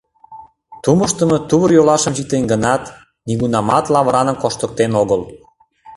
Тумыштымо тувыр-йолашым чиктен гынат, нигунамат лавыраным коштыктен огыл.